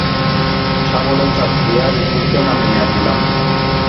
শাবলের চাড় দিয়ে ইটগুলোকে নামিয়ে নিলাম।